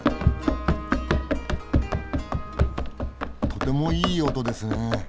とてもいい音ですねえ。